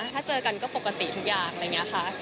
ถ้าเจอกันก็ปกติทุกอย่างอะไรอย่างนี้ค่ะ